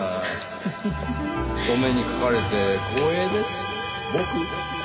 フフフ。お目にかかれて光栄です僕。